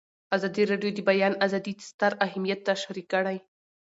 ازادي راډیو د د بیان آزادي ستر اهميت تشریح کړی.